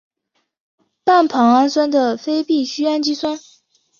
半胱氨酸的非必需氨基酸。